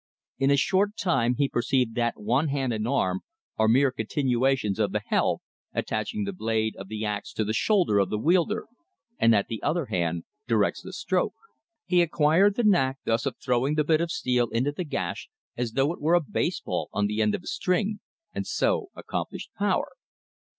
In a short time he perceived that one hand and arm are mere continuations of the helve, attaching the blade of the ax to the shoulder of the wielder; and that the other hand directs the stroke. He acquired the knack thus of throwing the bit of steel into the gash as though it were a baseball on the end of a string; and so accomplished power.